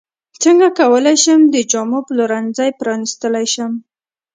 څنګه کولی شم د جامو پلورنځی پرانستلی شم